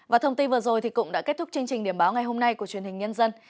và thông tin vừa rồi cũng đã kết thúc chương trình điểm báo ngày hôm nay của truyền hình nhân dân